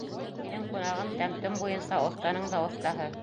Минең ҡунағым тәм-том буйынса оҫтаның да оҫтаһы.